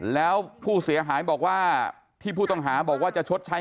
แล้วผู้เสียหายบอกว่าที่ผู้ต้องหาบอกว่าจะชดใช้